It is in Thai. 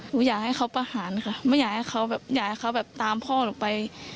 อยากให้เขาประหารค่ะไม่อยากให้เขาแบบอยากให้เขาแบบตามพ่อหนูไป